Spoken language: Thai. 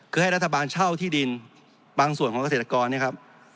คือให้รัฐบาลเช่าที่ดินบางส่วนของเกษตรกรเนี่ยครับ